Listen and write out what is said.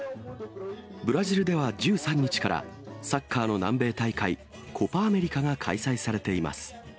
ブラジルでは１３日から、サッカーの南米大会、コパ・アメリカが開催されています。